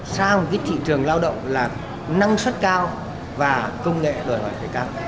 sang thị trường lao động là năng suất cao và công nghệ đổi hỏi phải cao